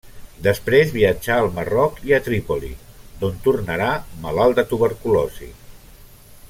Després viatjà al Marroc i a Trípoli, d'on tornarà malalt de tuberculosi.